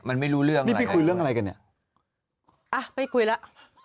มันไม่รู้เรื่องมันไปคุยเรื่องอะไรกันเนี่ยอ่ะไม่คุยแล้ว